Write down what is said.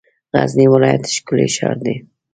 غزنی ولایت ښکلی شار دی.